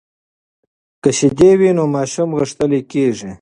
که شیدې وي نو ماشوم غښتلۍ کیږي.